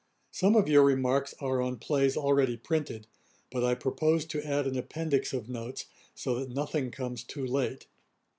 Some of your remarks are on plays already printed: but I purpose to add an Appendix of Notes, so that nothing comes too late.